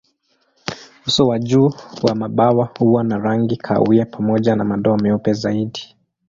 Uso wa juu wa mabawa huwa na rangi kahawia pamoja na madoa meupe zaidi.